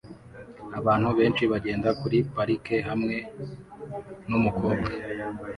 Abantu benshi bagenda kuri parike hamwe numukobwa